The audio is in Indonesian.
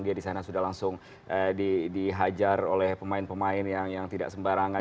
dia di sana sudah langsung dihajar oleh pemain pemain yang tidak sembarangan